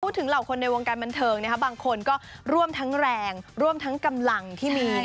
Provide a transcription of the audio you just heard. เหล่าคนในวงการบันเทิงบางคนก็ร่วมทั้งแรงร่วมทั้งกำลังที่มี